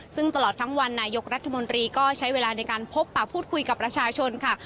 ซึ่งตลอดทั้งวันนายกรัฐมนตรีก็ใช้เวลาในการพบป่าพูดคุยกับประชาชนค่ะ